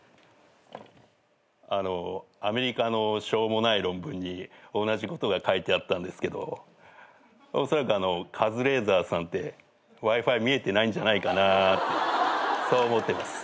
あのうアメリカのしょうもない論文に同じことが書いてあったんですけどおそらくカズレーザーさんってＷｉ−Ｆｉ見えてないんじゃないかなってそう思ってます。